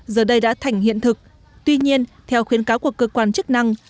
giờ đây đã thành hiện thực tuy nhiên theo khuyến cáo của cơ quan chức năng